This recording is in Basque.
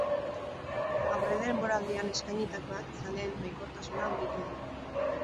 Aurredenboraldian eskainitakoak zaleen baikortasuna handitu du.